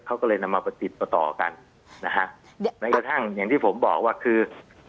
เขาก็เลยนำมาประติดประต่อกันนะฮะแม้กระทั่งอย่างที่ผมบอกว่าคือ